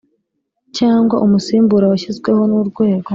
cyangwa umusimbura washyizweho n urwego